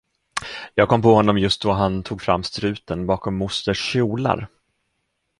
Jag kom på honom just då han tog fram struten bakom mosters kjolar.